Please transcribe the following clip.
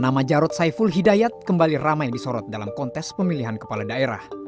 nama jarod saiful hidayat kembali ramai disorot dalam kontes pemilihan kepala daerah